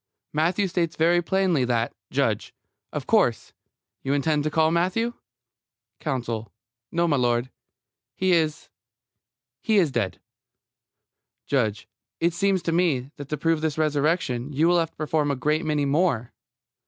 Matthew states very plainly that JUDGE: Of course, you intend to call Matthew? COUNSEL: No, m'lud. He is he is dead. JUDGE: It seems to me, that to prove this resurrection you will have to perform a great many more.